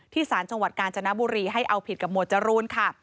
สารจังหวัดกาญจนบุรีให้เอาผิดกับหมวดจรูนค่ะ